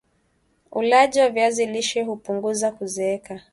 ulaji wa viazi lishe hupunguza kuzeeka